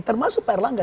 termasuk pak erlangga